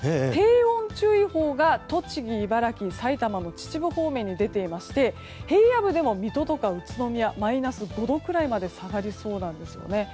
低温注意報が栃木、茨城と埼玉の秩父方面に出ていまして平野部でも水戸とか宇都宮マイナス５度くらいまで下がりそうなんです。